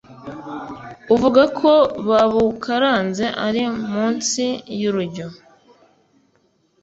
uvuga ko babukaranze ari munsi y'urujyo